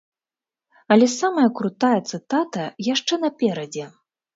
Але самая крутая цытата яшчэ наперадзе.